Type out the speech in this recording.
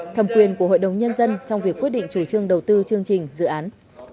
thẩm quyền của hội đồng nhân dân trong việc quyết định chủ trương đầu tư chương trình dự án